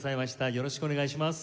よろしくお願いします。